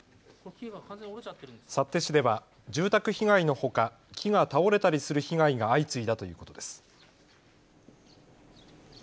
幸手市では住宅被害のほか木が倒れたりする被害が相次いだということです。